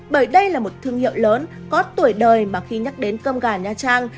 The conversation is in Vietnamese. bởi đây là một thương hiệu lớn có tuổi đời mà khi nhắc đến cơm gà nha trang